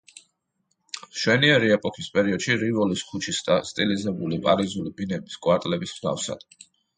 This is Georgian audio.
მშვენიერი ეპოქის პერიოდში რივოლის ქუჩის სტილიზებული პარიზული ბინების კვარტლების მსგავსად.